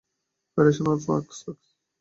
Federation of x.